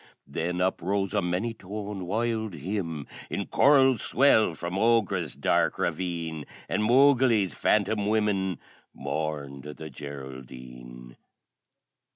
Then uprose a many toned wild hymn in Choral swell from Ogra's dark ravine, And Mogeely's Phantom Women Mourned the Geraldine!